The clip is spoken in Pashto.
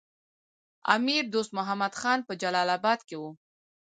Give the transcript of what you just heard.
امیر دوست محمد خان په جلال اباد کې وو.